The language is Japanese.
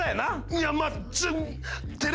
いやまあ。